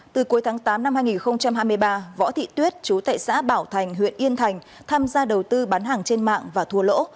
từ cuối tháng tám năm hai nghìn hai mươi ba võ thị tuyết chú tại xã bảo thành huyện yên thành tham gia đầu tư bán hàng trên mạng và thua lỗ